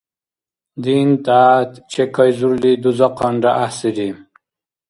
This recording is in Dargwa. Дин-тӀягӀят чекайзурли дузахъанра гӀяхӀсири...